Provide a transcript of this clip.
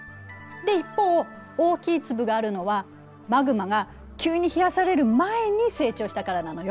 で一方大きい粒があるのはマグマが急に冷やされる前に成長したからなのよ。